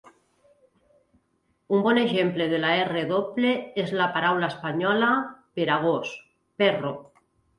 Un bon exemple de la R doble és la paraula espanyola per a gos, "perro".